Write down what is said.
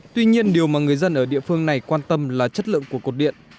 tuy nhiên điều mà người dân ở địa phương này quan tâm là chất lượng của cột điện